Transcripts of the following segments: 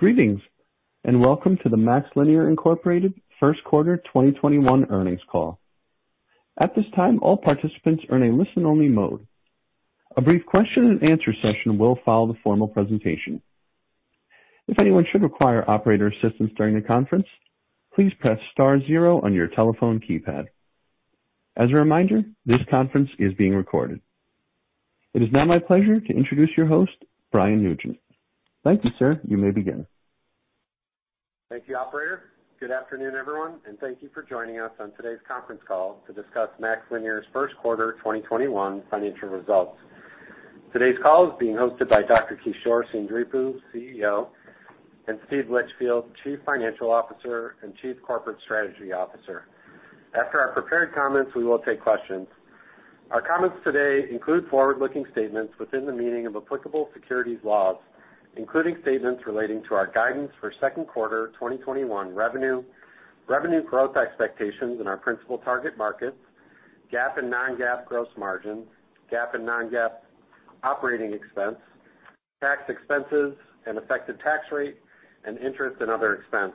Greetings, welcome to the MaxLinear, Inc. first quarter 2021 earnings call. At this time, all participants are in a listen-only mode. A brief question and answer session will follow the formal presentation. If anyone should require operator assistance during the conference, please press star zero on your telephone keypad. As a reminder, this conference is being recorded. It is now my pleasure to introduce your host, Brian Nugent. Thank you, sir. You may begin. Thank you, operator. Good afternoon, everyone, and thank you for joining us on today's conference call to discuss MaxLinear's first quarter 2021 financial results. Today's call is being hosted by Dr. Kishore Seendripu, CEO, and Steve Litchfield, Chief Financial Officer and Chief Corporate Strategy Officer. After our prepared comments, we will take questions. Our comments today include forward-looking statements within the meaning of applicable securities laws, including statements relating to our guidance for second quarter 2021 revenue growth expectations in our principal target markets, GAAP and non-GAAP gross margin, GAAP and non-GAAP operating expense, tax expenses and effective tax rate, and interest and other expense.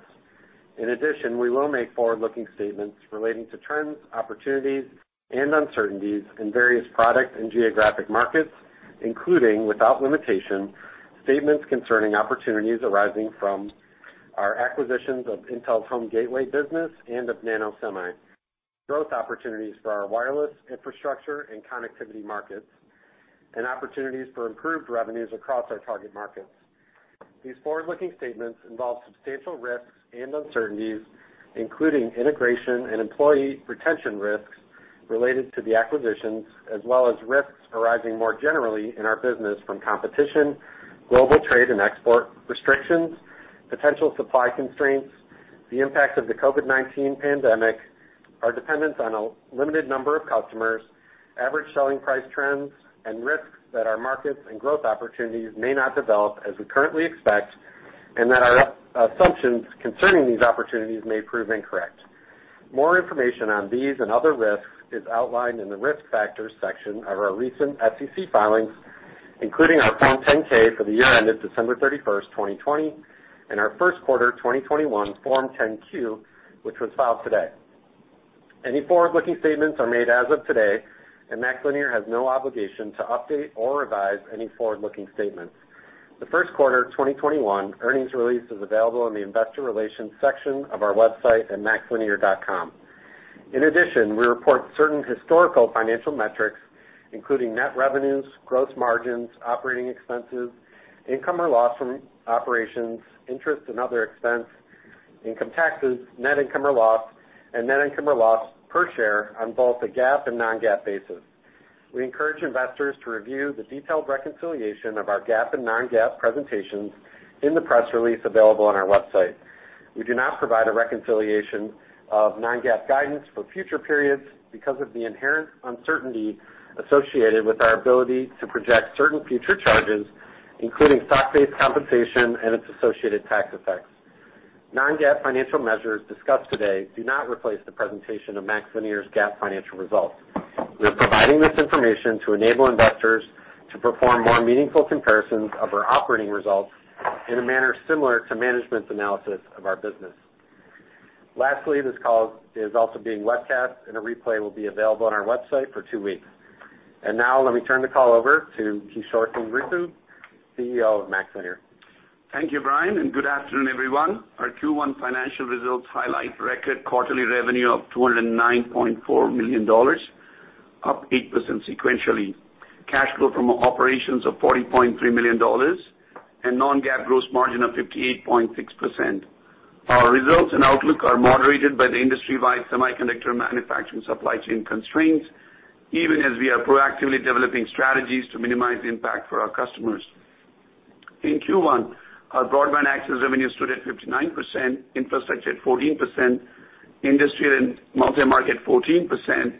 In addition, we will make forward-looking statements relating to trends, opportunities, and uncertainties in various product and geographic markets, including, without limitation, statements concerning opportunities arising from our acquisitions of Intel's Home Gateway business and of NanoSemi, growth opportunities for our wireless infrastructure and connectivity markets, and opportunities for improved revenues across our target markets. These forward-looking statements involve substantial risks and uncertainties, including integration and employee retention risks related to the acquisitions, as well as risks arising more generally in our business from competition, global trade and export restrictions, potential supply constraints, the impact of the COVID-19 pandemic, our dependence on a limited number of customers, average selling price trends, and risks that our markets and growth opportunities may not develop as we currently expect, and that our assumptions concerning these opportunities may prove incorrect. More information on these and other risks is outlined in the Risk Factors section of our recent SEC filings, including our Form 10-K for the year ended December 31st, 2020, and our first quarter 2021 Form 10-Q, which was filed today. Any forward-looking statements are made as of today, and MaxLinear has no obligation to update or revise any forward-looking statements. The first quarter 2021 earnings release is available in the investor relations section of our website at maxlinear.com. In addition, we report certain historical financial metrics, including net revenues, gross margins, operating expenses, income or loss from operations, interest and other expense, income taxes, net income or loss, and net income or loss per share on both a GAAP and non-GAAP basis. We encourage investors to review the detailed reconciliation of our GAAP and non-GAAP presentations in the press release available on our website. We do not provide a reconciliation of non-GAAP guidance for future periods because of the inherent uncertainty associated with our ability to project certain future charges, including stock-based compensation and its associated tax effects. Non-GAAP financial measures discussed today do not replace the presentation of MaxLinear's GAAP financial results. We are providing this information to enable investors to perform more meaningful comparisons of our operating results in a manner similar to management's analysis of our business. Lastly, this call is also being webcast, and a replay will be available on our website for two weeks. Now let me turn the call over to Kishore Seendripu, CEO of MaxLinear. Thank you, Brian. Good afternoon, everyone. Our Q1 financial results highlight record quarterly revenue of $209.4 million, up 8% sequentially, cash flow from operations of $40.3 million, and non-GAAP gross margin of 58.6%. Our results and outlook are moderated by the industry-wide semiconductor manufacturing supply chain constraints, even as we are proactively developing strategies to minimize the impact for our customers. In Q1, our broadband access revenue stood at 59%, infrastructure at 14%, industrial and multi-market 14%,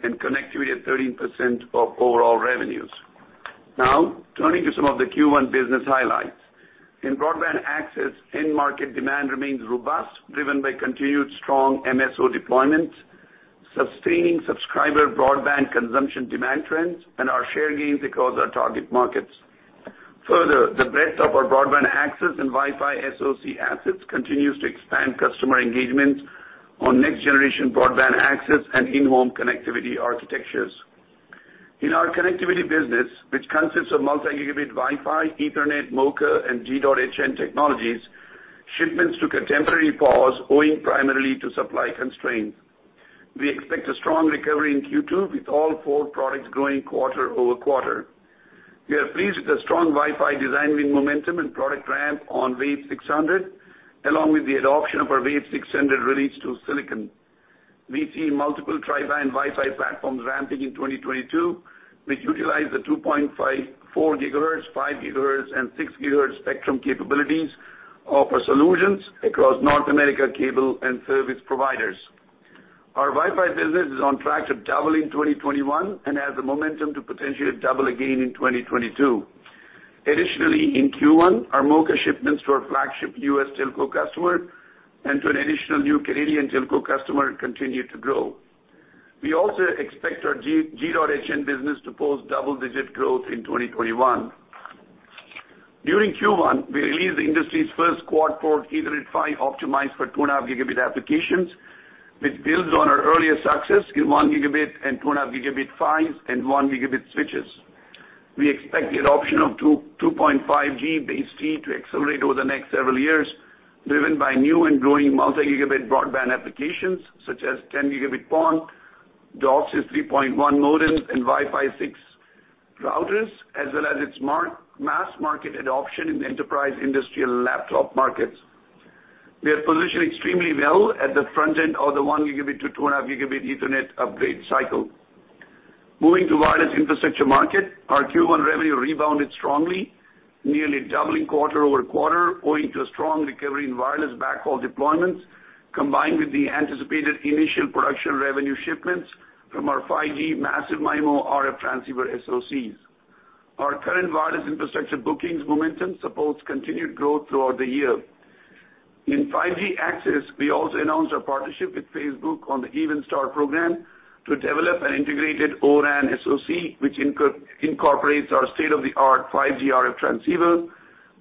and connectivity at 13% of overall revenues. Turning to some of the Q1 business highlights. In broadband access, end market demand remains robust, driven by continued strong MSO deployments, sustaining subscriber broadband consumption demand trends, and our share gains across our target markets. The breadth of our broadband access and Wi-Fi SoC assets continues to expand customer engagement on next-generation broadband access and in-home connectivity architectures. In our connectivity business, which consists of multi-gigabit Wi-Fi, Ethernet, MoCA, and G.hn technologies, shipments took a temporary pause owing primarily to supply constraints. We expect a strong recovery in Q2 with all four products growing quarter-over-quarter. We are pleased with the strong Wi-Fi design win momentum and product ramp on WAV600, along with the adoption of our WAV600 release to silicon. We see multiple tri-band Wi-Fi platforms ramping in 2022, which utilize the 2.5 GHz, 4 GHz, 5 GHz, and 6 GHz spectrum capabilities of our solutions across North America cable and service providers. Our Wi-Fi business is on track to double in 2021 and has the momentum to potentially double again in 2022. Additionally, in Q1, our MoCA shipments to our flagship US telco customer and to an additional new Canadian telco customer continued to grow. We also expect our G.hn business to post double-digit growth in 2021. During Q1, we released the industry's first quad-port Ethernet PHY optimized for 2.5 Gb applications, which builds on our earlier success in 1 Gb and 2.5 Gb PHYs and 1 Gb switches. We expect the adoption of 2.5GBASE-T to accelerate over the next several years, driven by new and growing multi-gigabit broadband applications such as 10 Gb PON, DOCSIS 3.1 Modems, and Wi-Fi 6 routers, as well as its mass market adoption in the enterprise industrial laptop markets. We are positioned extremely well at the front end of the 1 Gb to 2.5 Gb Ethernet upgrade cycle. Moving to wireless infrastructure market, our Q1 revenue rebounded strongly, nearly doubling quarter-over-quarter, owing to a strong recovery in wireless backhaul deployments, combined with the anticipated initial production revenue shipments from our 5G massive MIMO RF transceiver SoCs. Our current wireless infrastructure bookings momentum supports continued growth throughout the year. In 5G access, we also announced our partnership with Facebook on the Evenstar program to develop an integrated O-RAN SoC, which incorporates our state-of-the-art 5G RF transceiver,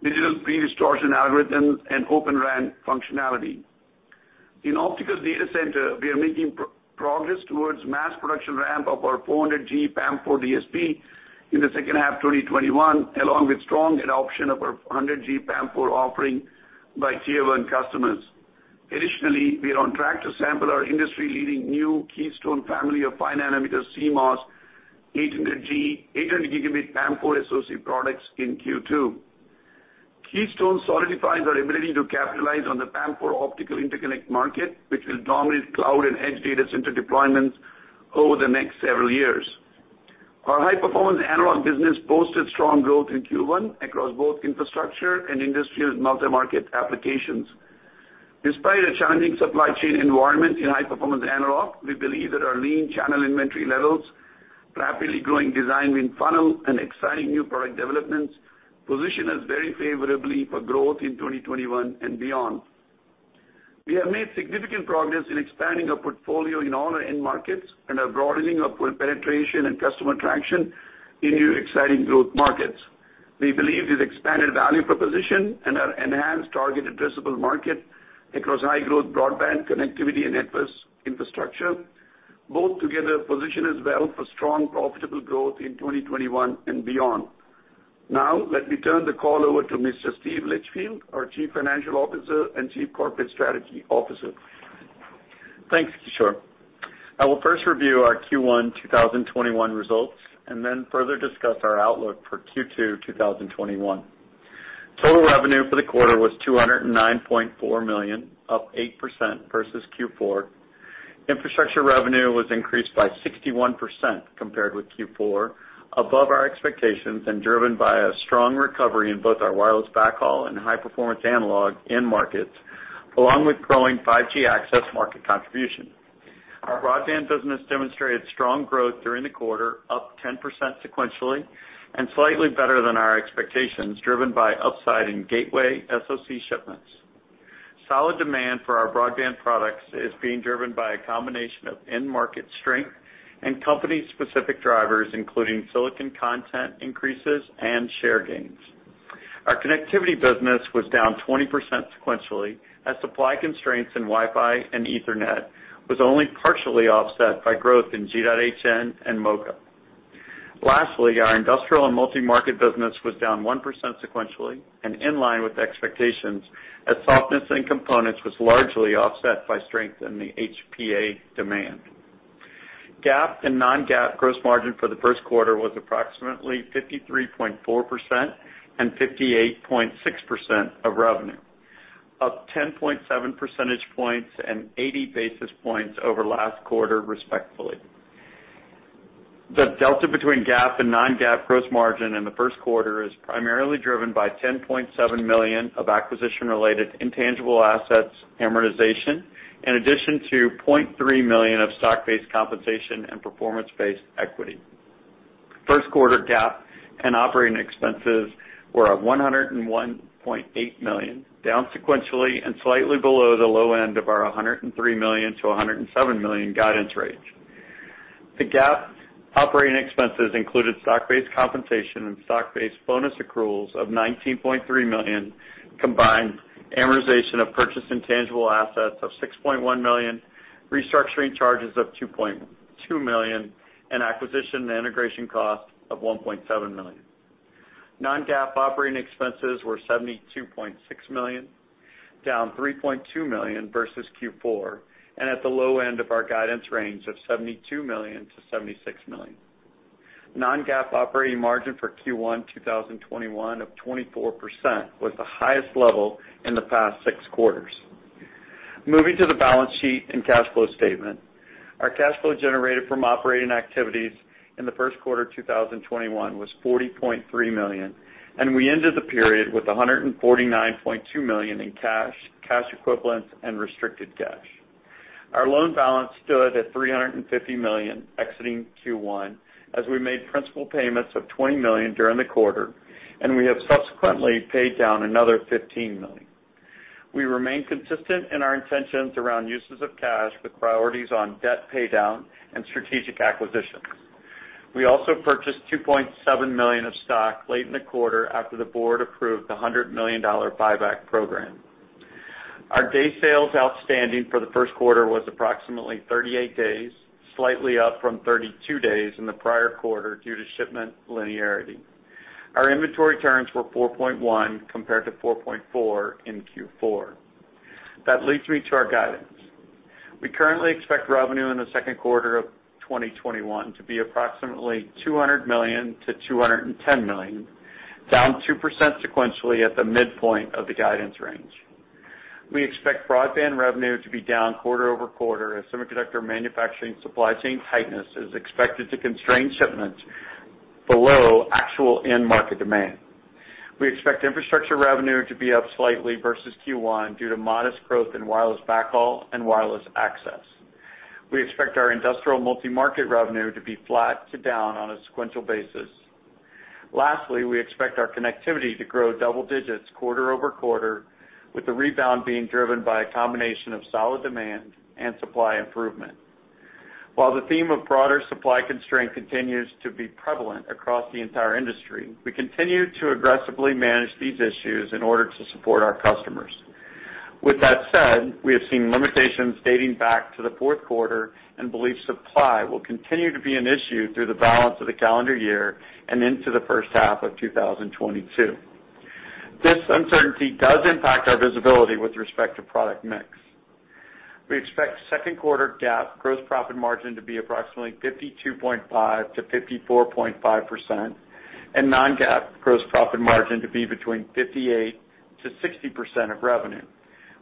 digital predistortion algorithms, and Open RAN functionality. In optical data center, we are making progress towards mass production ramp of our 400G PAM4 DSP in the second half 2021, along with strong adoption of our 100G PAM4 offering by tier 1 customers. Additionally, we are on track to sample our industry-leading new Keystone family of 5nm CMOS 800G, 800 gigabit PAM4 SoC products in Q2. Keystone solidifies our ability to capitalize on the PAM4 optical interconnect market, which will dominate cloud and edge data center deployments over the next several years. Our high-performance analog business posted strong growth in Q1 across both infrastructure and industrial multi-market applications. Despite a challenging supply chain environment in high-performance analog, we believe that our lean channel inventory levels, rapidly growing design win funnel, and exciting new product developments position us very favorably for growth in 2021 and beyond. We have made significant progress in expanding our portfolio in all our end markets and are broadening our penetration and customer traction in new exciting growth markets. We believe this expanded value proposition and our enhanced target addressable market across high-growth broadband connectivity and infrastructure, both together position us well for strong profitable growth in 2021 and beyond. Now, let me turn the call over to Mr. Steve Litchfield, our Chief Financial Officer and Chief Corporate Strategy Officer. Thanks, Kishore. I will first review our Q1 2021 results and then further discuss our outlook for Q2 2021. Total revenue for the quarter was $209.4 million, up 8% versus Q4. Infrastructure revenue was increased by 61% compared with Q4, above our expectations and driven by a strong recovery in both our wireless backhaul and high-performance analog end markets, along with growing 5G access market contribution. Our broadband business demonstrated strong growth during the quarter, up 10% sequentially, and slightly better than our expectations, driven by upside in gateway SoC shipments. Solid demand for our broadband products is being driven by a combination of end market strength and company-specific drivers, including silicon content increases and share gains. Our connectivity business was down 20% sequentially as supply constraints in Wi-Fi and Ethernet was only partially offset by growth in G.hn and MoCA. Lastly, our industrial and multi-market business was down 1% sequentially and in line with expectations as softness in components was largely offset by strength in the HPA demand. GAAP and non-GAAP gross margin for the first quarter was approximately 53.4% and 58.6% of revenue, up 10.7% and 80 basis points over last quarter, respectively. The delta between GAAP and non-GAAP gross margin in the first quarter is primarily driven by $10.7 million of acquisition-related intangible assets amortization, in addition to $0.3 million of stock-based compensation and performance-based equity. First quarter GAAP and operating expenses were at $101.8 million, down sequentially and slightly below the low end of our $103 million-$107 million guidance range. The GAAP operating expenses included stock-based compensation and stock-based bonus accruals of $19.3 million, combined amortization of purchased intangible assets of $6.1 million, restructuring charges of $2.2 million, and acquisition and integration costs of $1.7 million. Non-GAAP operating expenses were $72.6 million, down $3.2 million versus Q4, and at the low end of our guidance range of $72 million-$76 million. Non-GAAP operating margin for Q1 2021 of 24% was the highest level in the past six quarters. Moving to the balance sheet and cash flow statement. Our cash flow generated from operating activities in the first quarter 2021 was $40.3 million, and we ended the period with $149.2 million in cash equivalents, and restricted cash. Our loan balance stood at $350 million exiting Q1, as we made principal payments of $20 million during the quarter, and we have subsequently paid down another $15 million. We remain consistent in our intentions around uses of cash, with priorities on debt paydown and strategic acquisitions. We also purchased $2.7 million of stock late in the quarter after the board approved the $100 million buyback program. Our day sales outstanding for the first quarter was approximately 38 days, slightly up from 32 days in the prior quarter due to shipment linearity. Our inventory turns were 4.1 compared to 4.4 in Q4. That leads me to our guidance. We currently expect revenue in the second quarter of 2021 to be approximately $200 million-$210 million, down 2% sequentially at the midpoint of the guidance range. We expect broadband revenue to be down quarter-over-quarter as semiconductor manufacturing supply chain tightness is expected to constrain shipments below actual end market demand. We expect infrastructure revenue to be up slightly versus Q1 due to modest growth in wireless backhaul and wireless access. We expect our industrial multi-market revenue to be flat to down on a sequential basis. Lastly, we expect our connectivity to grow double digits quarter-over-quarter, with the rebound being driven by a combination of solid demand and supply improvement. While the theme of broader supply constraint continues to be prevalent across the entire industry, we continue to aggressively manage these issues in order to support our customers. With that said, we have seen limitations dating back to the fourth quarter and believe supply will continue to be an issue through the balance of the calendar year and into the first half of 2022. This uncertainty does impact our visibility with respect to product mix. We expect second quarter GAAP gross profit margin to be approximately 52.5%-54.5%, and non-GAAP gross profit margin to be between 58%-60% of revenue,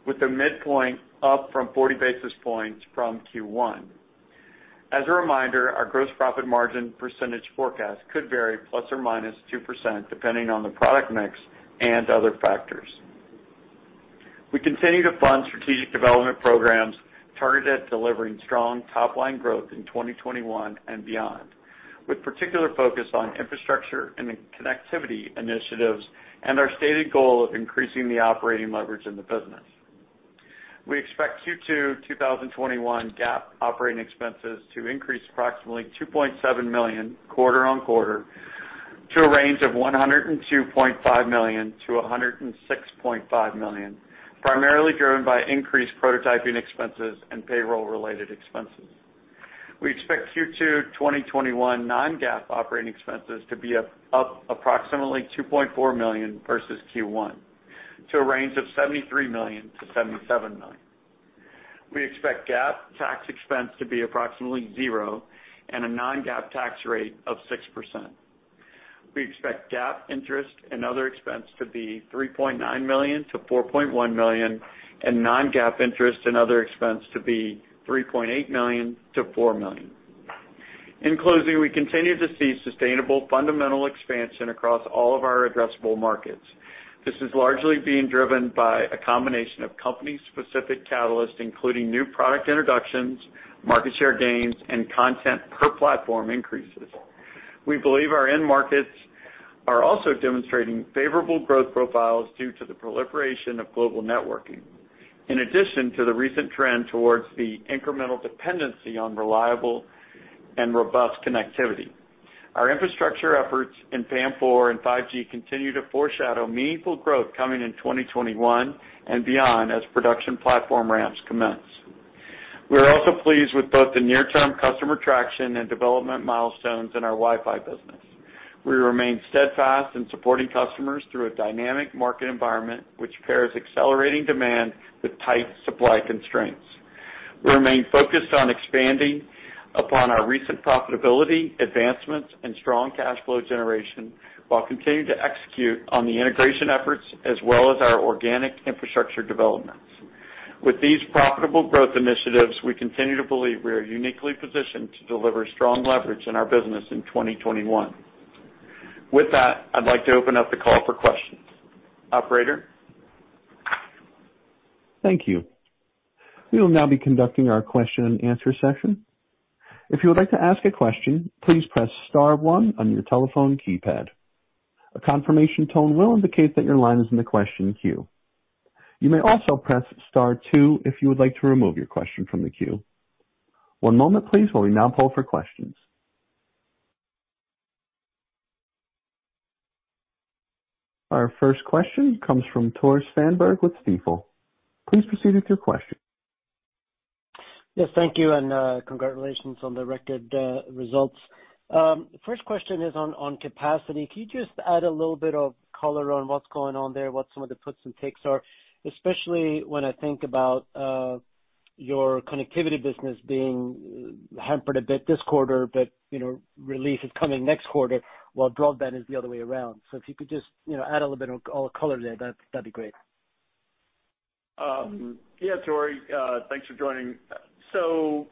with the midpoint up from 40 basis points from Q1. As a reminder, our gross profit margin percentage forecast could vary ±2%, depending on the product mix and other factors. We continue to fund strategic development programs targeted at delivering strong top-line growth in 2021 and beyond, with particular focus on infrastructure and connectivity initiatives and our stated goal of increasing the operating leverage in the business. We expect Q2 2021 GAAP operating expenses to increase approximately $2.7 million quarter-on-quarter to a range of $102.5 million-$106.5 million, primarily driven by increased prototyping expenses and payroll-related expenses. We expect Q2 2021 non-GAAP operating expenses to be up approximately $2.4 million versus Q1, to a range of $73 million-$77 million. We expect GAAP tax expense to be approximately zero and a non-GAAP tax rate of 6%. We expect GAAP interest and other expense to be $3.9 million-$4.1 million and non-GAAP interest and other expense to be $3.8 million-$4 million. In closing, we continue to see sustainable fundamental expansion across all of our addressable markets. This is largely being driven by a combination of company-specific catalysts, including new product introductions, market share gains, and content per platform increases. We believe our end markets are also demonstrating favorable growth profiles due to the proliferation of global networking, in addition to the recent trend towards the incremental dependency on reliable and robust connectivity. Our infrastructure efforts in PAM-4 and 5G continue to foreshadow meaningful growth coming in 2021 and beyond as production platform ramps commence. We are also pleased with both the near-term customer traction and development milestones in our Wi-Fi business. We remain steadfast in supporting customers through a dynamic market environment, which pairs accelerating demand with tight supply constraints. We remain focused on expanding upon our recent profitability, advancements, and strong cash flow generation while continuing to execute on the integration efforts as well as our organic infrastructure developments. With these profitable growth initiatives, we continue to believe we are uniquely positioned to deliver strong leverage in our business in 2021. With that, I'd like to open up the call for questions. Operator? Thank you. We will now be conducting our question and answer session. If you would like to ask a question, please press star one on your telephone keypad. A confirmation tone will indicate that your line is in the question queue. You may also press star two if you would like to remove your question from the queue. One moment please while we now poll for questions. Our first question comes from Tore Svanberg with Stifel. Please proceed with your question. Yes, thank you. Congratulations on the record results. First question is on capacity. Can you just add a little bit of color on what's going on there, what some of the puts and takes are, especially when I think about your connectivity business being hampered a bit this quarter, but relief is coming next quarter, while broadband is the other way around. If you could just add a little bit of color there, that'd be great. Yeah, Tore. Thanks for joining.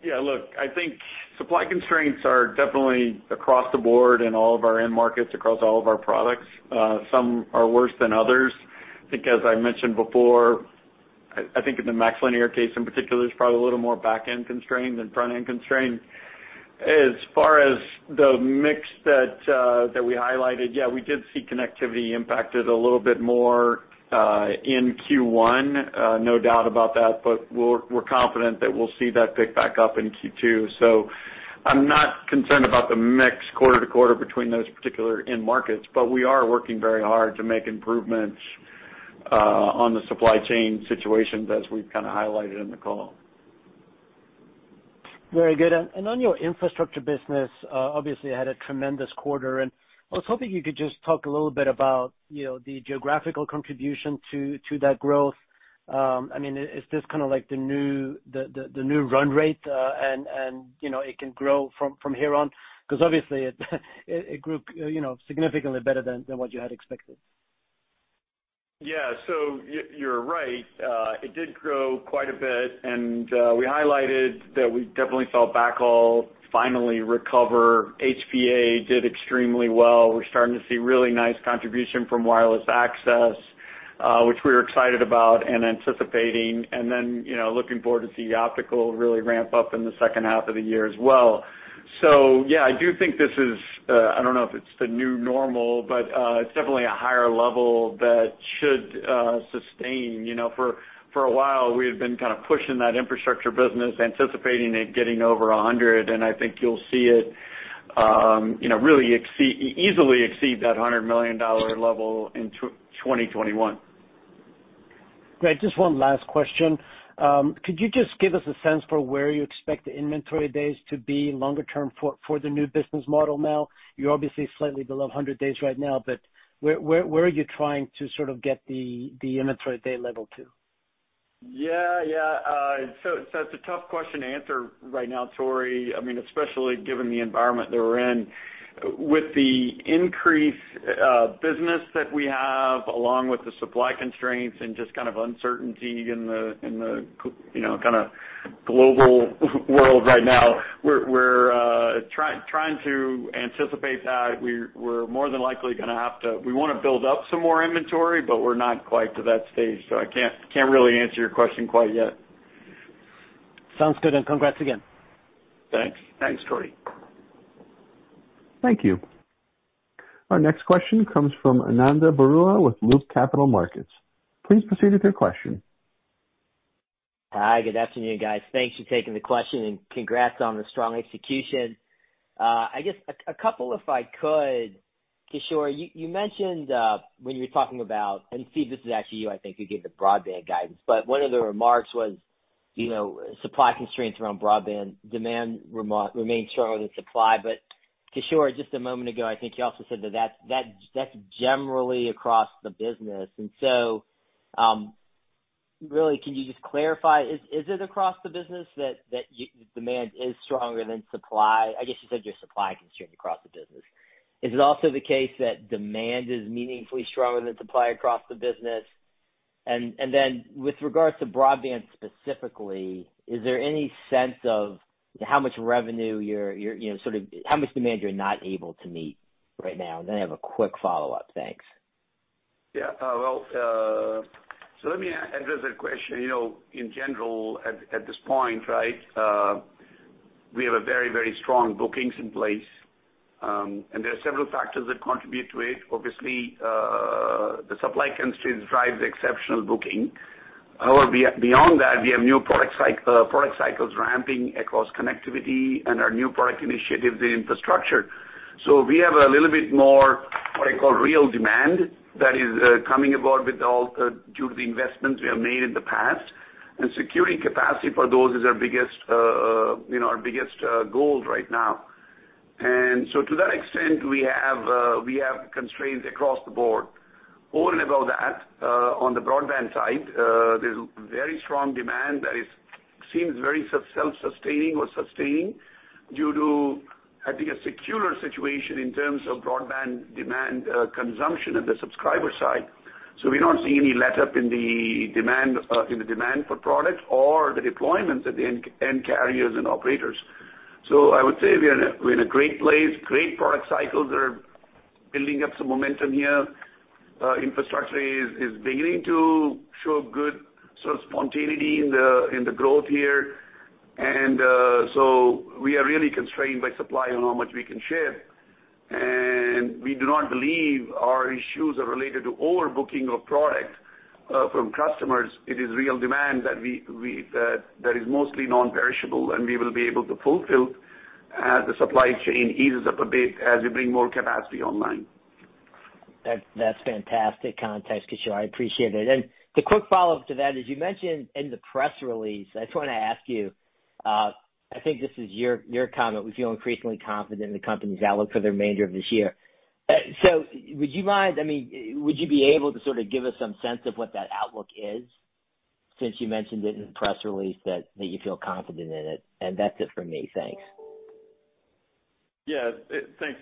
Yeah, look, I think supply constraints are definitely across the board in all of our end markets, across all of our products. Some are worse than others. I think as I mentioned before, I think in the MaxLinear case in particular, it's probably a little more back-end constrained than front-end constrained. As far as the mix that we highlighted, yeah, we did see connectivity impacted a little bit more in Q1. No doubt about that, but we're confident that we'll see that pick back up in Q2. I'm not concerned about the mix quarter to quarter between those particular end markets, but we are working very hard to make improvements on the supply chain situations as we've kind of highlighted in the call. Very good. On your infrastructure business, obviously had a tremendous quarter. I was hoping you could just talk a little bit about the geographical contribution to that growth. Is this kind of the new run rate? It can grow from here on? Obviously it grew significantly better than what you had expected. You're right. It did grow quite a bit, and we highlighted that we definitely saw backhaul finally recover. HPA did extremely well. We're starting to see really nice contribution from wireless access, which we're excited about and anticipating. Looking forward to see optical really ramp up in the second half of the year as well. I do think this is, I don't know if it's the new normal, but it's definitely a higher level that should sustain. For a while, we had been kind of pushing that infrastructure business, anticipating it getting over $100, and I think you'll see it easily exceed that $100 million level in 2021. Great. Just one last question. Could you just give us a sense for where you expect the inventory days to be longer term for the new business model now? You're obviously slightly below 100 days right now, but where are you trying to sort of get the inventory day level to? Yeah. It's a tough question to answer right now, Tore. Especially given the environment that we're in. With the increased business that we have, along with the supply constraints and just kind of uncertainty in the kind of global world right now, we're trying to anticipate that. We want to build up some more inventory, but we're not quite to that stage, so I can't really answer your question quite yet. Sounds good, congrats again. Thanks, Tore. Thank you. Our next question comes from Ananda Baruah with Loop Capital Markets. Please proceed with your question. Hi, good afternoon, guys. Thanks for taking the question, and congrats on the strong execution. I guess a couple, if I could. Kishore, you mentioned, when you were talking about, and Steve, this is actually you, I think, who gave the broadband guidance, one of the remarks was supply constraints around broadband demand remain stronger than supply. Kishore, just a moment ago, I think you also said that that's generally across the business. Really, can you just clarify, is it across the business that demand is stronger than supply? I guess you said you're supply constrained across the business. Is it also the case that demand is meaningfully stronger than supply across the business? With regards to broadband specifically, is there any sense of how much demand you're not able to meet right now? I have a quick follow-up. Thanks. Yeah. Let me address that question. In general, at this point, we have a very strong bookings in place, and there are several factors that contribute to it. Obviously, the supply constraints drive the exceptional booking. However, beyond that, we have new product cycles ramping across connectivity and our new product initiatives in infrastructure. We have a little bit more, what I call real demand that is coming about due to the investments we have made in the past, and securing capacity for those is our biggest goal right now. To that extent, we have constraints across the board. Over and above that, on the broadband side, there's very strong demand that seems very self-sustaining or sustaining due to, I think, a secular situation in terms of broadband demand consumption at the subscriber side. We don't see any letup in the demand for product or the deployments at the end carriers and operators. I would say we're in a great place. Great product cycles that are building up some momentum here. Infrastructure is beginning to show good sort of spontaneity in the growth here. We are really constrained by supply on how much we can ship, and we do not believe our issues are related to overbooking of product from customers. It is real demand that is mostly non-perishable, and we will be able to fulfill as the supply chain eases up a bit, as we bring more capacity online. That's fantastic context, Kishore. I appreciate it. The quick follow-up to that is, you mentioned in the press release, I just want to ask you, I think this is your comment. "We feel increasingly confident in the company's outlook for the remainder of this year." Would you be able to sort of give us some sense of what that outlook is since you mentioned it in the press release that you feel confident in it? That's it for me. Thanks. Yeah. Thanks,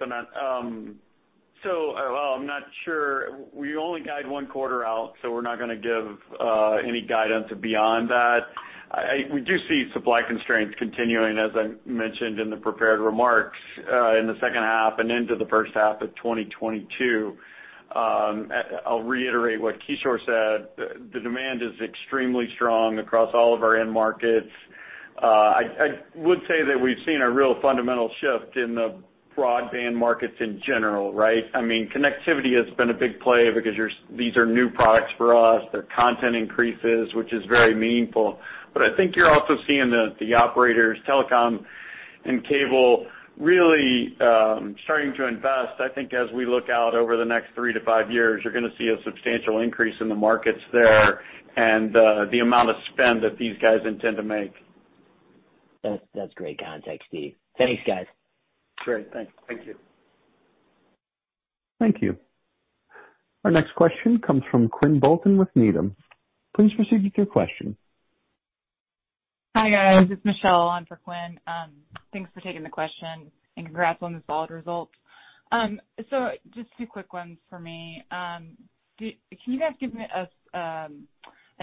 Ananda. I'm not sure. We only guide one quarter out, so we're not going to give any guidance beyond that. We do see supply constraints continuing, as I mentioned in the prepared remarks, in the second half and into the first half of 2022. I'll reiterate what Kishore said. The demand is extremely strong across all of our end markets. I would say that we've seen a real fundamental shift in the broadband markets in general, right? Connectivity has been a big play because these are new products for us. Their content increases, which is very meaningful. I think you're also seeing the operators, telecom and cable, really starting to invest. I think as we look out over the next three to five years, you're going to see a substantial increase in the markets there and the amount of spend that these guys intend to make. That's great context, Steve. Thanks, guys. Great. Thanks. Thank you. Thank you. Our next question comes from Quinn Bolton with Needham. Please proceed with your question. Hi, guys. It's Michelle on for Quinn. Thanks for taking the question and congrats on the solid results. Just two quick ones for me. Can you guys give me an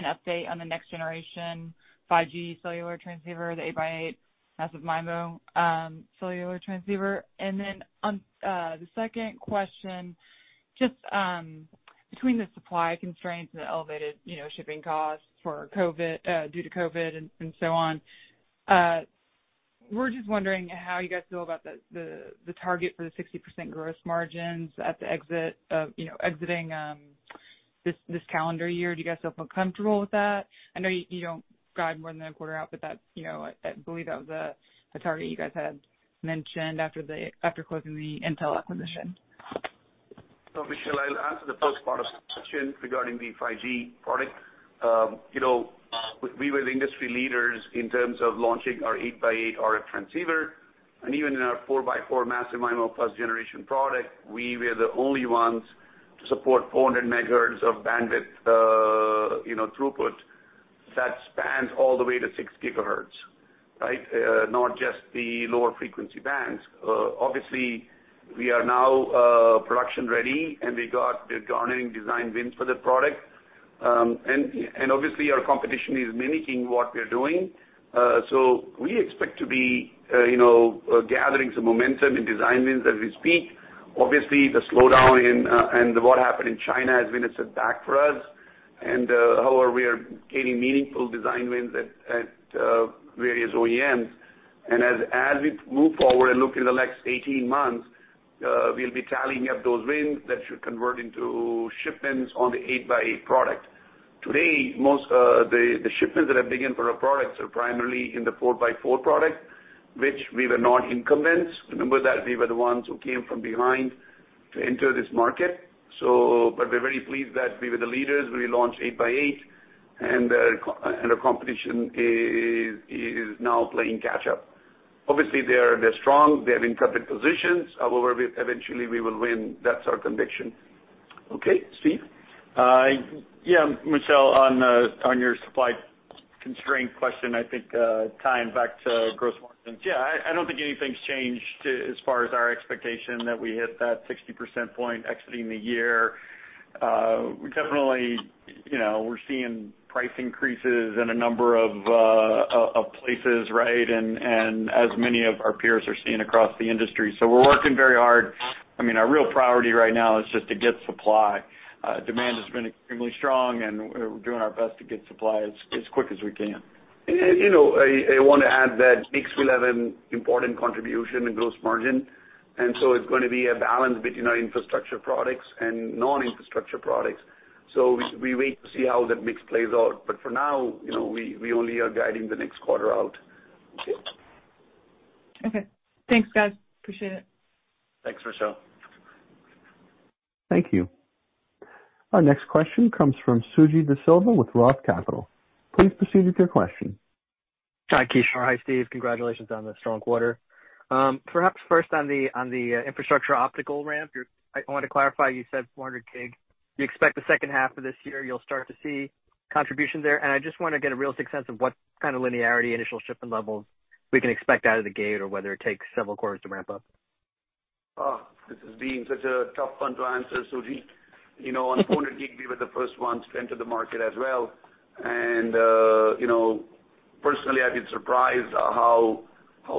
update on the next generation 5G cellular transceiver, the 8x8 massive MIMO cellular transceiver? On the second question, just between the supply constraints and the elevated shipping costs due to COVID and so on, we're just wondering how you guys feel about the target for the 60% gross margins exiting this calendar year. Do you guys still feel comfortable with that? I know you don't guide more than a quarter out, but I believe that was a target you guys had mentioned after closing the Intel acquisition. Michelle, I'll answer the first part of the question regarding the 5G product. We were the industry leaders in terms of launching our 8x8 RF transceiver, and even in our 4x4 massive MIMO plus generation product, we were the only ones to support 400 MHz of bandwidth throughput that spans all the way to 6 GHz, right? Not just the lower frequency bands. Obviously, we are now production ready, and we got the garnering design wins for the product. Obviously, our competition is mimicking what we're doing. We expect to be gathering some momentum in design wins as we speak. Obviously, the slowdown and what happened in China has been a setback for us. However, we are gaining meaningful design wins at various OEMs. As we move forward and look in the next 18 months, we'll be tallying up those wins that should convert into shipments on the 8x8 product. Today, the shipments that have begun for our products are primarily in the four by four product, which we were not incumbents. Remember that we were the ones who came from behind to enter this market. We're very pleased that we were the leaders when we launched 8x8, and our competition is now playing catch up. Obviously, they're strong. They have incumbent positions. However, eventually we will win. That's our conviction. Okay, Steve? Yeah. Michelle, on your supply constraint question, I think tying back to gross margins. Yeah, I don't think anything's changed as far as our expectation that we hit that 60% point exiting the year. We're seeing price increases in a number of places, right? As many of our peers are seeing across the industry. We're working very hard. Our real priority right now is just to get supply. Demand has been extremely strong, and we're doing our best to get supply as quick as we can. I want to add that mix will have an important contribution in gross margin, it's going to be a balance between our infrastructure products and non-infrastructure products. We wait to see how that mix plays out. For now, we only are guiding the next quarter out. Okay. Thanks, guys. Appreciate it. Thanks, Michelle. Thank you. Our next question comes from Suji Desilva with Roth Capital. Please proceed with your question. Hi, Kishore. Hi, Steve. Congratulations on the strong quarter. Perhaps first on the infrastructure optical ramp, I wanted to clarify, you said 400G. You expect the second half of this year, you'll start to see contribution there. I just want to get a real sense of what kind of linearity, initial shipment levels we can expect out of the gate or whether it takes several quarters to ramp up? This has been such a tough one to answer, Suji. On 400G, we were the first ones to enter the market as well. Personally, I've been surprised how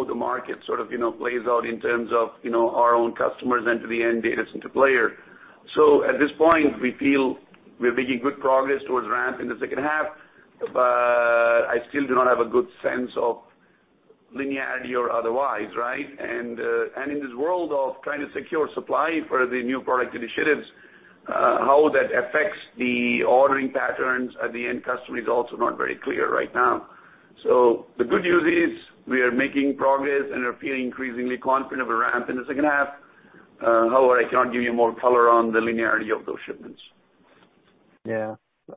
the market sort of plays out in terms of our own customers and to the end data center player. At this point, we feel we're making good progress towards ramp in the second half, but I still do not have a good sense of linearity or otherwise, right? In this world of trying to secure supply for the new product initiatives, how that affects the ordering patterns at the end customer is also not very clear right now. The good news is we are making progress and are feeling increasingly confident of a ramp in the second half. However, I cannot give you more color on the linearity of those shipments. Yeah.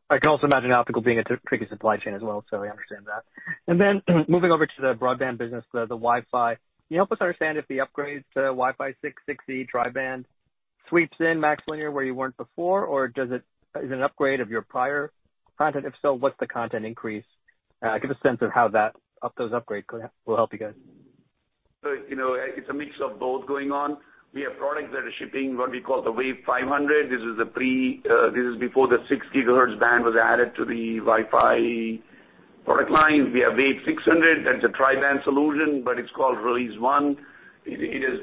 I can also imagine optical being a tricky supply chain as well, so I understand that. Moving over to the broadband business, the Wi-Fi, can you help us understand if the upgrades to Wi-Fi 6/6E tri-band sweeps in MaxLinear where you weren't before? Or is it an upgrade of your prior content? If so, what's the content increase? Give a sense of how those upgrades will help you guys. It's a mix of both going on. We have products that are shipping, what we call the WAV500. This is before the 6 GHz band was added to the Wi-Fi product lines, we have WAV600. That's a tri-band solution, but it's called Release 1. There's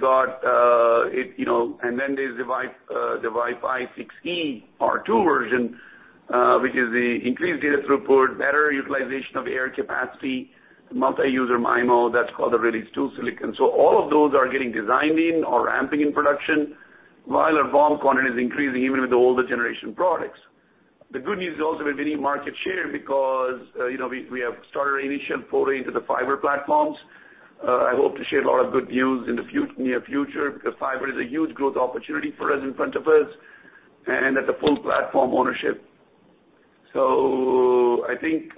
the Wi-Fi 6E R2 version, which is the increased data throughput, better utilization of air capacity, multi-user MIMO. That's called the Release 2 silicon. All of those are getting designed in or ramping in production, while our BOM quantity is increasing even with the older generation products. The good news is also we're winning market share because we have started our initial foray into the fiber platforms. I hope to share a lot of good news in the near future, because fiber is a huge growth opportunity for us in front of us and at the full platform ownership. I think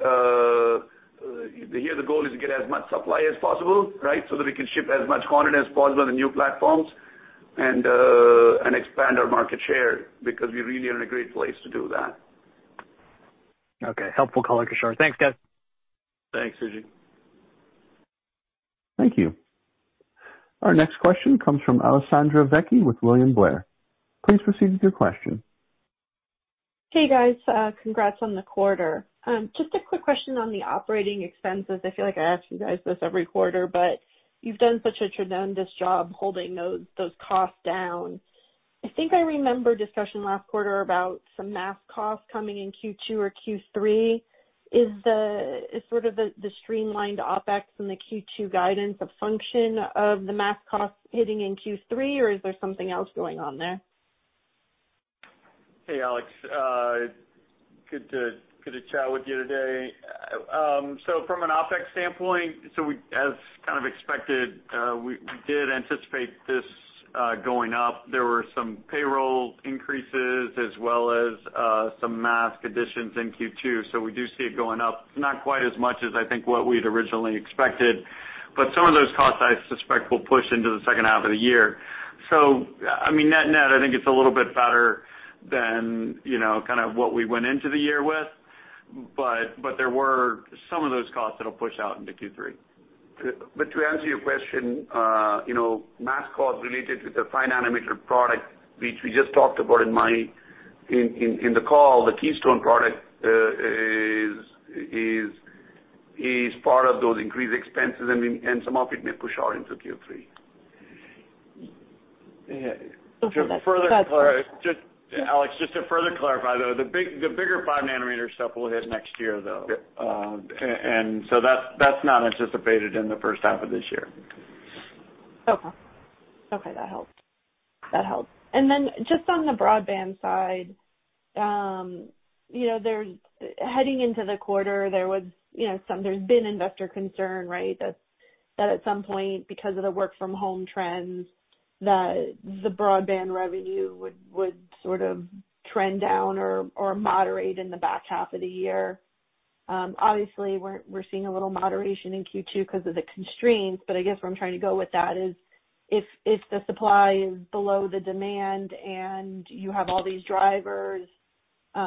here the goal is to get as much supply as possible, so that we can ship as much quantity as possible in the new platforms and expand our market share because we really are in a great place to do that. Okay. Helpful color, Kishore. Thanks, guys. Thanks, Suji. Thank you. Our next question comes from Alessandra Vecchi with William Blair. Please proceed with your question. Hey, guys. Congrats on the quarter. Just a quick question on the operating expenses. I feel like I ask you guys this every quarter, but you've done such a tremendous job holding those costs down. I think I remember discussion last quarter about some mask costs coming in Q2 or Q3. Is sort of the streamlined OpEx and the Q2 guidance a function of the mask costs hitting in Q3, or is there something else going on there? Hey, Alex. Good to chat with you today. From an OpEx standpoint, as kind of expected, we did anticipate this going up. There were some payroll increases as well as some mask additions in Q2, so we do see it going up. Not quite as much as I think what we'd originally expected, but some of those costs I suspect will push into the second half of the year. Net-net, I think it's a little bit better than what we went into the year with, but there were some of those costs that'll push out into Q3. To answer your question, mask costs related to the 5nm product, which we just talked about in the call, the Keystone product, is part of those increased expenses, and some of it may push out into Q3. Okay. That's helpful. Alex, just to further clarify, though, the bigger 5nm stuff will hit next year, though. Yep. That's not anticipated in the first half of this year. That helps. Just on the broadband side, heading into the quarter, there's been investor concern that at some point, because of the work from home trends, that the broadband revenue would sort of trend down or moderate in the back half of the year. Obviously, we're seeing a little moderation in Q2 because of the constraints, but I guess where I'm trying to go with that is if the supply is below the demand and you have all these drivers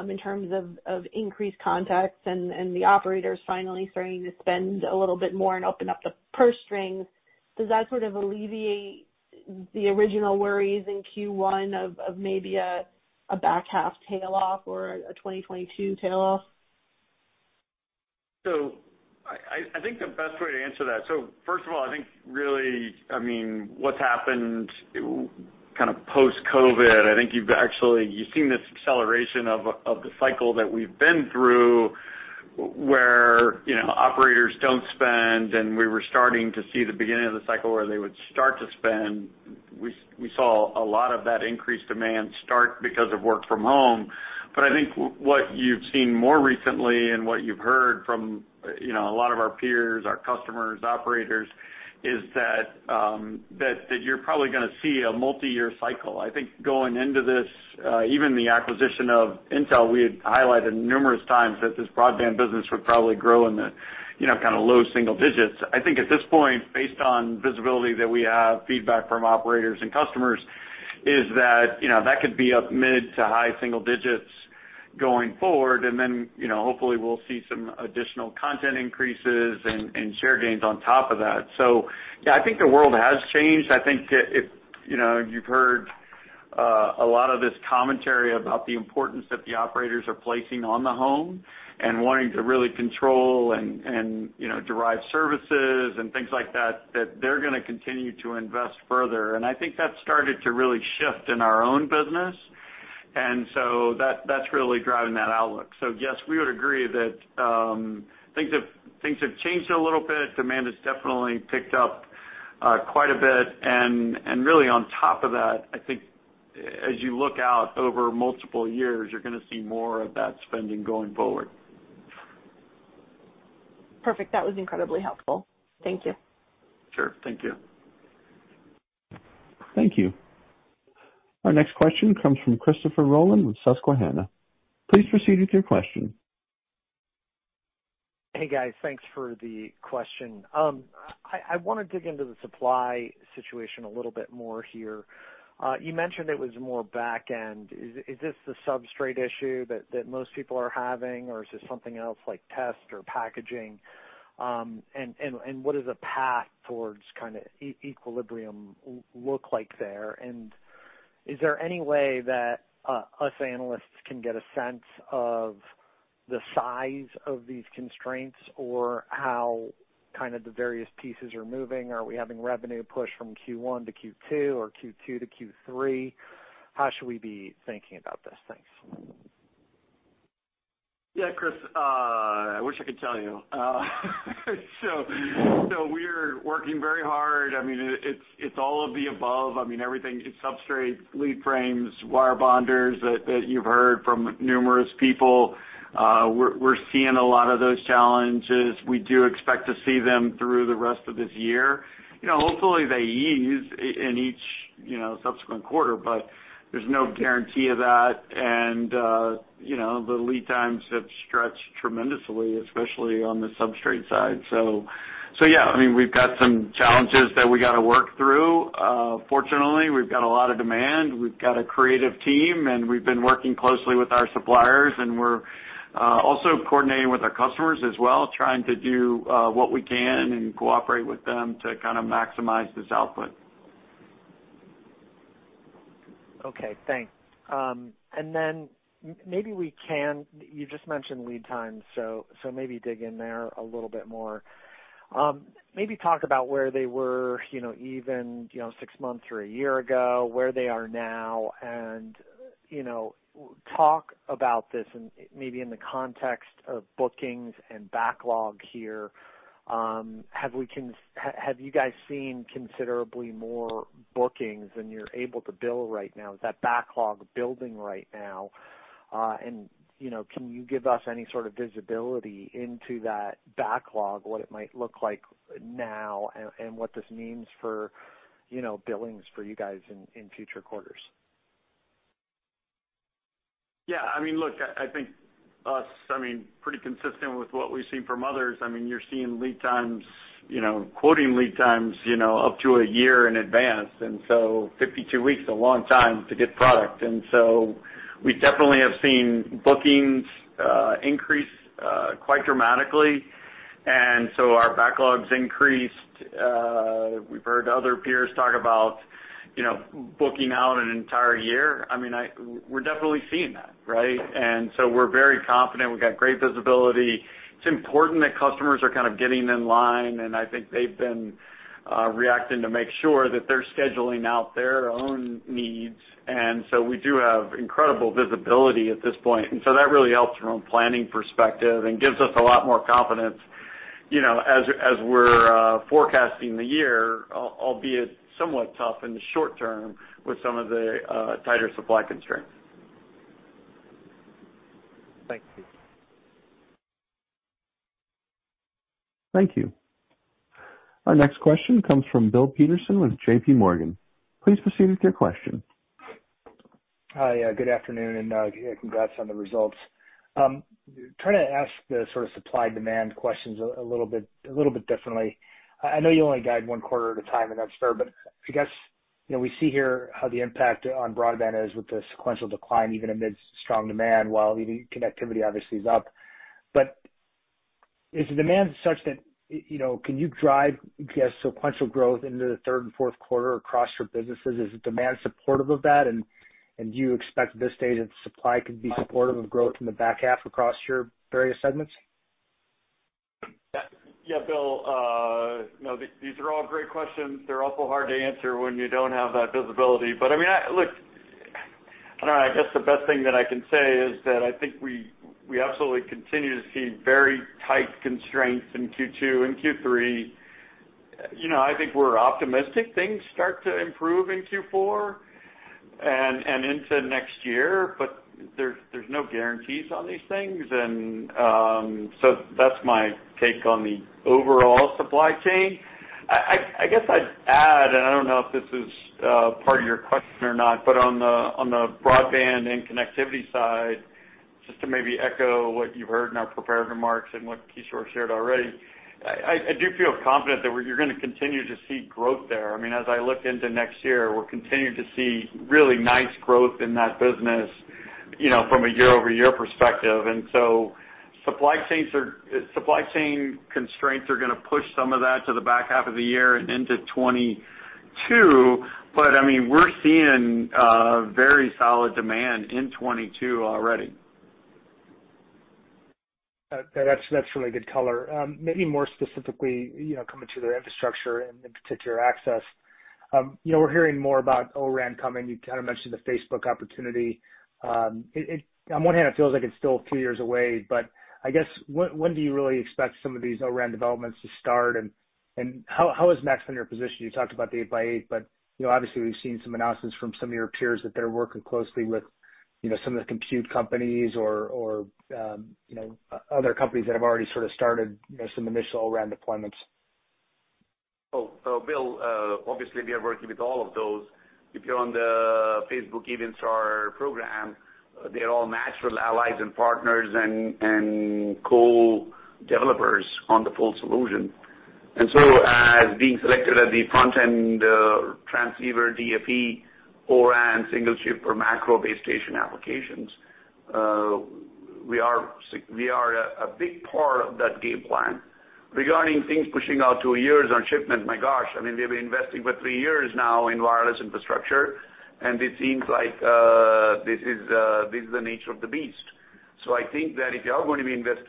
in terms of increased contacts and the operators finally starting to spend a little bit more and open up the purse strings, does that sort of alleviate the original worries in Q1 of maybe a back half tail off or a 2022 tail off? I think the best way to answer that. First of all, I think really what's happened kind of post-COVID, I think you've seen this acceleration of the cycle that we've been through where operators don't spend, and we were starting to see the beginning of the cycle where they would start to spend. We saw a lot of that increased demand start because of work from home. I think what you've seen more recently and what you've heard from a lot of our peers, our customers, operators, is that you're probably going to see a multi-year cycle. I think going into this, even the acquisition of Intel, we had highlighted numerous times that this broadband business would probably grow in the low single digits. I think at this point, based on visibility that we have, feedback from operators and customers is that that could be up mid to high single digits going forward, and then hopefully we'll see some additional content increases and share gains on top of that. Yeah, I think the world has changed. I think you've heard a lot of this commentary about the importance that the operators are placing on the home and wanting to really control and derive services and things like that they're going to continue to invest further. I think that's started to really shift in our own business, and so that's really driving that outlook. Yes, we would agree that things have changed a little bit. Demand has definitely picked up quite a bit, and really on top of that, I think as you look out over multiple years, you're going to see more of that spending going forward. Perfect. That was incredibly helpful. Thank you. Sure. Thank you. Thank you. Our next question comes from Christopher Rolland with Susquehanna. Please proceed with your question. Hey, guys. Thanks for the question. I want to dig into the supply situation a little bit more here. You mentioned it was more back end. Is this the substrate issue that most people are having, or is this something else like test or packaging? What does a path towards kind of equilibrium look like there? Is there any way that us analysts can get a sense of the size of these constraints or how the various pieces are moving? Are we having revenue push from Q1 to Q2 or Q2 to Q3? How should we be thinking about this? Thanks. Yeah, Chris, I wish I could tell you. We're working very hard. It's all of the above. Everything, it's substrates, lead frames, wire bonders that you've heard from numerous people. We're seeing a lot of those challenges. We do expect to see them through the rest of this year. Hopefully they ease in each subsequent quarter, but there's no guarantee of that. The lead times have stretched tremendously, especially on the substrate side. Yeah, we've got some challenges that we got to work through. Fortunately, we've got a lot of demand. We've got a creative team, and we've been working closely with our suppliers, and we're also coordinating with our customers as well, trying to do what we can and cooperate with them to maximize this output. Okay, thanks. Then maybe you just mentioned lead times, so maybe dig in there a little bit more. Maybe talk about where they were even six months or a year ago, where they are now and talk about this and maybe in the context of bookings and backlog here. Have you guys seen considerably more bookings than you're able to bill right now? Is that backlog building right now? Can you give us any sort of visibility into that backlog, what it might look like now and what this means for billings for you guys in future quarters? Yeah, look, I think us, pretty consistent with what we've seen from others. You're seeing lead times, quoting lead times up to a year in advance. 52 weeks is a long time to get product. We definitely have seen bookings increase quite dramatically. Our backlogs increased. We've heard other peers talk about booking out an entire year. We're definitely seeing that, right? We're very confident. We've got great visibility. It's important that customers are kind of getting in line, and I think they've been reacting to make sure that they're scheduling out their own needs. We do have incredible visibility at this point, and so that really helps from a planning perspective and gives us a lot more confidence as we're forecasting the year, albeit somewhat tough in the short term with some of the tighter supply constraints. Thank you. Thank you. Our next question comes from Bill Peterson with JPMorgan. Please proceed with your question. Hi. Good afternoon, congrats on the results. Trying to ask the sort of supply-demand questions a little bit differently. I know you only guide one quarter at a time, that's fair, I guess, we see here how the impact on broadband is with the sequential decline, even amidst strong demand, while connectivity obviously is up. Is the demand such that, can you drive, I guess, sequential growth into the third and fourth quarter across your businesses? Is the demand supportive of that? Do you expect at this stage that supply could be supportive of growth in the back half across your various segments? Yeah. Bill, these are all great questions. They're also hard to answer when you don't have that visibility. Look, I don't know, I guess the best thing that I can say is that I think we absolutely continue to see very tight constraints in Q2 and Q3. I think we're optimistic things start to improve in Q4 and into next year, but there's no guarantees on these things. That's my take on the overall supply chain. I guess I'd add, and I don't know if this is part of your question or not, but on the broadband and connectivity side, just to maybe echo what you've heard in our prepared remarks and what Kishore shared already, I do feel confident that you're going to continue to see growth there. As I look into next year, we're continuing to see really nice growth in that business from a year-over-year perspective. Supply chain constraints are going to push some of that to the back half of the year and into 2022. We're seeing very solid demand in 2022 already. That's really good color. Maybe more specifically, coming to their infrastructure and in particular access. We're hearing more about O-RAN coming. You kind of mentioned the Facebook opportunity. On one hand, it feels like it's still a few years away, but I guess when do you really expect some of these O-RAN developments to start? How is MaxLinear positioned? You talked about the 8x8, obviously we've seen some announcements from some of your peers that they're working closely with some of the compute companies or other companies that have already sort of started some initial O-RAN deployments. Bill, obviously we are working with all of those. If you're on the Facebook Evenstar program, they're all natural allies and partners and co-developers on the full solution. As being selected at the front end transceiver DFE or O-RAN single chip or macro base station applications, we are a big part of that game plan. Regarding things pushing out 2 years on shipment, my gosh, we've been investing for 3 years now in wireless infrastructure, and it seems like this is the nature of the beast. I think that if you are going to be invest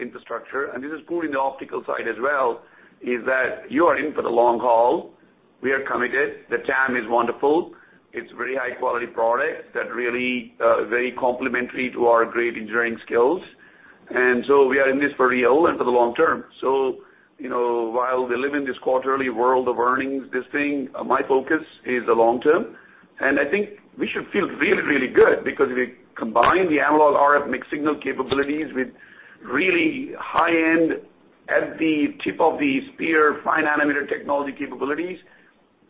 infrastructure, and this is true in the optical side as well, is that you are in for the long haul. We are committed. The TAM is wonderful. It's very high-quality product that really very complementary to our great engineering skills. We are in this for real and for the long term. While we live in this quarterly world of earnings, this thing, my focus is the long term. I think we should feel really, really good because if you combine the analog RF mixed signal capabilities with really high-end, at the tip of the spear, 5nm technology capabilities,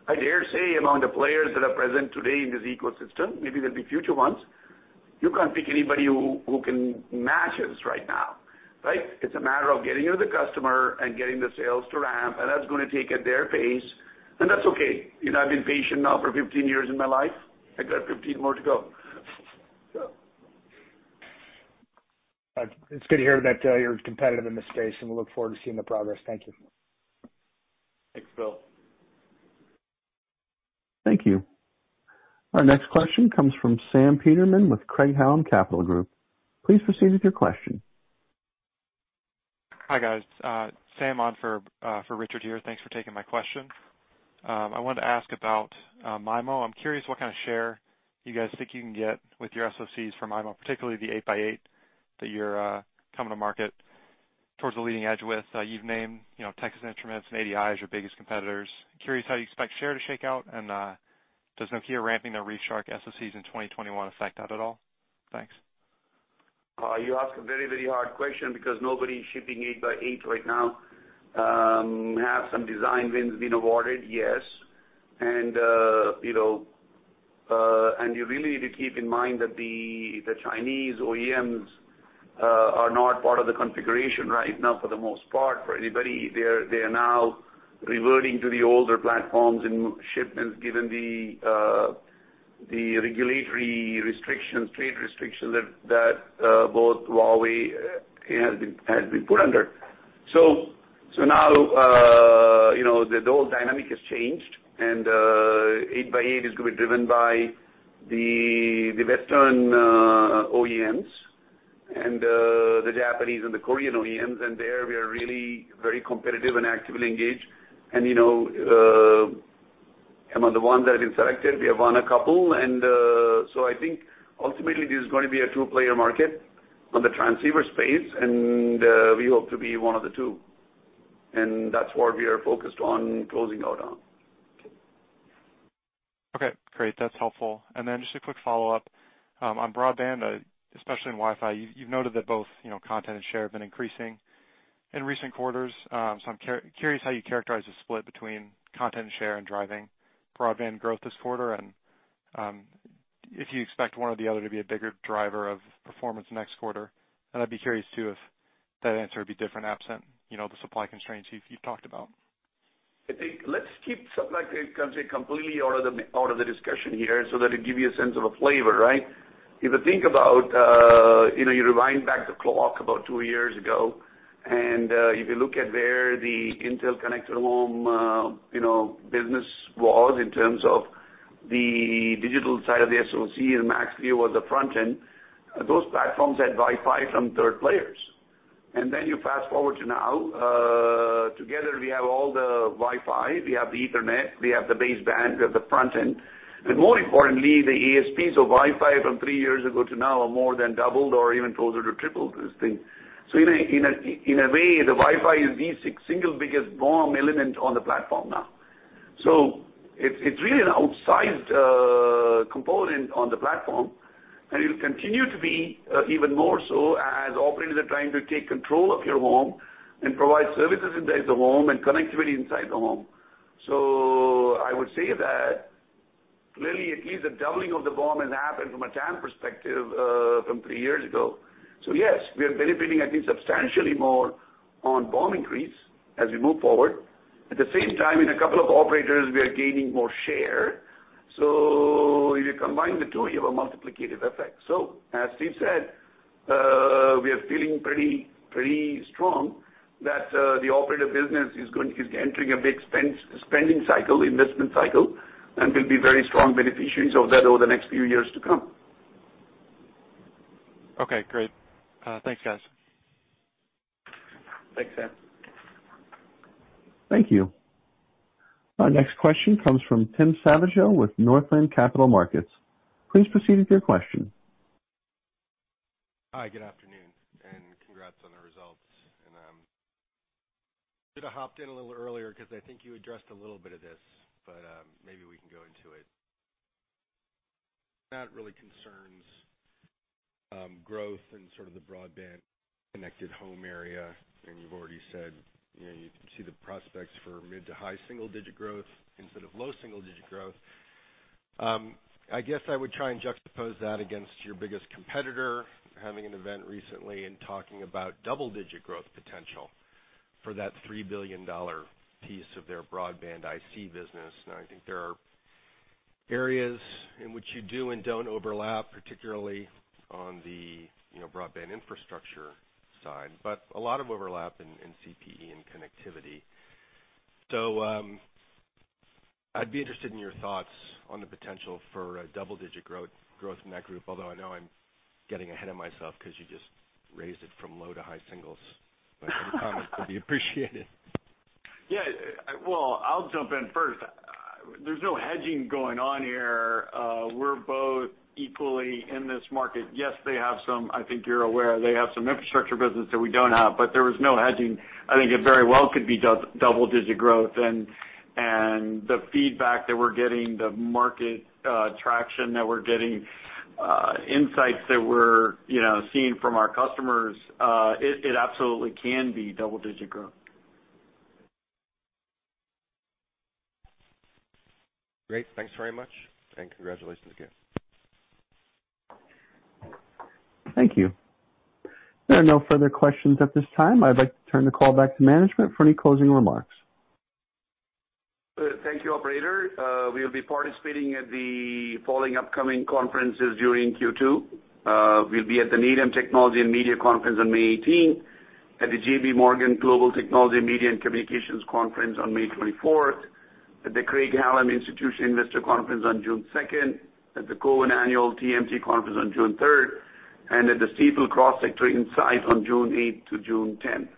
I dare say among the players that are present today in this ecosystem, maybe there'll be future ones, you can't pick anybody who can match us right now, right? It's a matter of getting to the customer and getting the sales to ramp, and that's going to take at their pace, and that's okay. I've been patient now for 15 years in my life. I got 15 more to go. It's good to hear that you're competitive in this space, and we look forward to seeing the progress. Thank you. Thanks, Bill. Thank you. Our next question comes from Sam Peterman with Craig-Hallum Capital Group. Please proceed with your question. Hi, guys. Sam on for Richard here. Thanks for taking my question. I wanted to ask about MIMO. I'm curious what kind of share you guys think you can get with your SoCs for MIMO, particularly the 8x8 that you're coming to market towards the leading edge with. You've named Texas Instruments and ADI as your biggest competitors. Curious how you expect share to shake out, and does Nokia ramping their ReefShark SoC in 2021 affect that at all? Thanks. You ask a very, very hard question because nobody shipping 8x8 right now, have some design wins been awarded? Yes. You really need to keep in mind that the Chinese OEMs are not part of the configuration right now for the most part, for anybody. They are now reverting to the older platforms in shipments, given the regulatory restrictions, trade restrictions that both Huawei has been put under. Now, the whole dynamic has changed and 8x8 is going to be driven by the Western OEMs and the Japanese and the Korean OEMs, and there we are really very competitive and actively engaged. Among the ones that have been selected, we have won a couple, and so I think ultimately this is going to be a two-player market on the transceiver space, and we hope to be one of the two. That's what we are focused on closing out on. Okay, great. That's helpful. Then just a quick follow-up. On broadband, especially in Wi-Fi, you've noted that both content and share have been increasing in recent quarters. I'm curious how you characterize the split between content and share and driving broadband growth this quarter, and if you expect one or the other to be a bigger driver of performance next quarter. I'd be curious too, if that answer would be different absent the supply constraints you've talked about. I think let's keep supply chain completely out of the discussion here so that it give you a sense of a flavor, right? If you think about, you rewind back the clock about two years ago, if you look at where the Intel connected home business was in terms of the digital side of the SoC and MaxLinear was the front end, those platforms had Wi-Fi from third players. You fast forward to now, together, we have all the Wi-Fi, we have the Ethernet, we have the baseband, we have the front end, and more importantly, the ESP. Wi-Fi from three years ago to now are more than doubled or even closer to tripled this thing. In a way, the Wi-Fi is the single biggest BOM element on the platform now. It's really an outsized component on the platform, and it'll continue to be even more so as operators are trying to take control of your home and provide services inside the home and connectivity inside the home. I would say that clearly, at least a doubling of the BOM has happened from a TAM perspective from three years ago. Yes, we are benefiting, I think, substantially more on BOM increase as we move forward. At the same time, in a couple of operators, we are gaining more share. If you combine the two, you have a multiplicative effect. As Steve said, we are feeling pretty strong that the operator business is entering a big spending cycle, investment cycle, and we'll be very strong beneficiaries of that over the next few years to come. Okay, great. Thanks, guys. Thanks, Sam. Thank you. Our next question comes from Tim Savageaux with Northland Capital Markets. Please proceed with your question. Hi, good afternoon, and congrats on the results. Should have hopped in a little earlier because I think you addressed a little bit of this, but maybe we can go into it. That really concerns growth in sort of the broadband connected home area, and you've already said you see the prospects for mid to high single digit growth instead of low single digit growth. I guess I would try and juxtapose that against your biggest competitor having an event recently and talking about double-digit growth potential for that $3 billion piece of their broadband IC business. I think there are areas in which you do and don't overlap, particularly on the broadband infrastructure side, but a lot of overlap in CPE and connectivity. I'd be interested in your thoughts on the potential for a double-digit growth in that group. Although I know I'm getting ahead of myself because you just raised it from low to high singles, but your comments would be appreciated. Yeah. Well, I'll jump in first. There's no hedging going on here. We're both equally in this market. Yes, they have some, I think you're aware, they have some infrastructure business that we don't have, but there was no hedging. I think it very well could be double-digit growth. The feedback that we're getting, the market traction that we're getting, insights that we're seeing from our customers, it absolutely can be double-digit growth. Great. Thanks very much, and congratulations again. Thank you. There are no further questions at this time. I'd like to turn the call back to management for any closing remarks. Thank you, operator. We'll be participating at the following upcoming conferences during Q2. We'll be at the Needham Technology & Media Conference on May 18th, at the JPMorgan Global Technology, Media and Communications Conference on May 24th, at the Craig-Hallum Institutional Investor Conference on June 2nd, at the Cowen Annual TMT Conference on June 3rd, and at the Stifel Cross Sector Insight on June 8th to June 10th.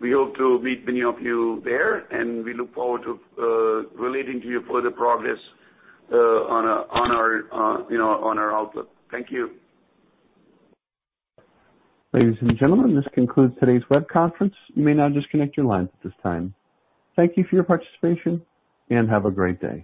We hope to meet many of you there, and we look forward to relating to you further progress on our outlook. Thank you. Ladies and gentlemen, this concludes today's web conference. You may now disconnect your lines at this time. Thank you for your participation, and have a great day.